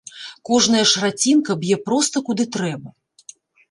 Кожная шрацінка б'е проста куды трэба.